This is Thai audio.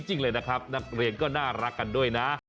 จริงเลยนะครับนักเรียนก็น่ารักกันด้วยนะ